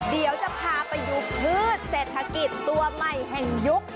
เดี๋ยวจะพาไปดูพืชเศรษฐกิจตัวใหม่แห่งยุค